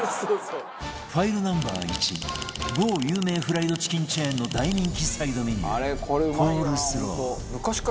ファイルナンバー１某有名フライドチキンチェーンの大人気サイドメニューコールスロー